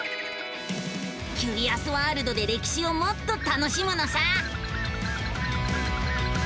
キュリアスワールドで歴史をもっと楽しむのさ！